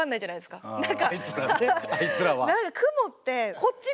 あいつらは。